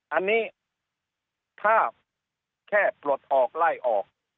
อันนี้ถ้าแค่ปลดออกไล่ออก